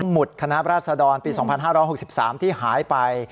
หมุดคณะราชดรปี๒๕๖๓ที่หายไป